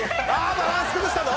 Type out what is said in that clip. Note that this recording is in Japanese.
バランス崩したぞ！